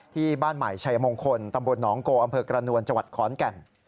ที่บ้านใหม่ชัยมงคลตำบลหนองโกอำเภอกระนวลจังหวัดขอนแก่น